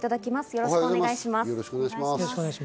よろしくお願いします。